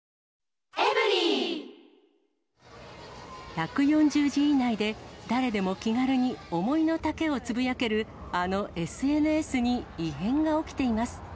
１４０字以内で誰でも気軽に思いの丈をつぶやけるあのＳＮＳに異変が起きています。